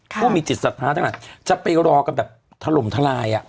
พวกมีจิตศรัทธาทั้งนั้นจะไปรอกันแบบทะลมทะลายอ่ะ